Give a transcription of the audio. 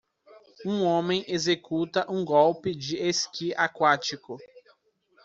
Um homem executa um golpe de esqui aquático.